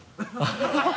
ハハハ